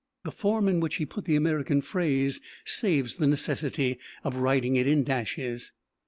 The form in which he put the American phrase saves the necessity of writing it in dashes.